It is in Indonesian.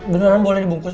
beneran boleh dibungkus